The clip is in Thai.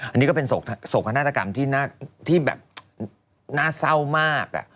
อันนี้ก็เป็นโศกคณะตรกรรมที่น่าเศร้ามาก